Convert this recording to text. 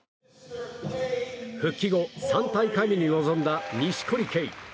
復帰後３大会目に臨んだ錦織圭。